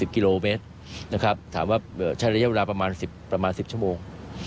กิโลเมตรนะครับถามว่าใช้ระยะเวลาประมาณ๑๐ชั่วโมง